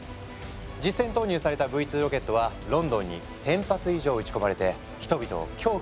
実戦投入された「Ｖ２ロケット」はロンドンに１，０００発以上撃ち込まれて人々を恐怖に陥れたんだ。